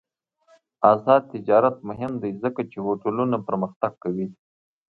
آزاد تجارت مهم دی ځکه چې هوټلونه پرمختګ کوي.